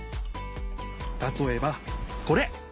たとえばこれ！